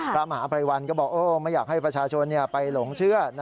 พระมหาภัยวัลก็บอกไม่อยากให้ประชาชนไปหลงเชื่อ